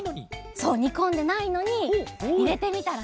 そう！にこんでないのにいれてみたらね